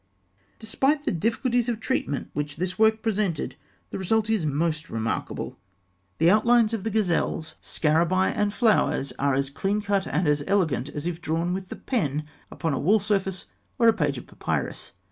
Despite the difficulties of treatment which this work presented, the result is most remarkable. The outlines of the gazelles, scarabaei, and flowers are as clean cut and as elegant as if drawn with the pen upon a wall surface or a page of papyrus.